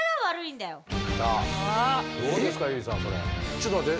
ちょっと待って。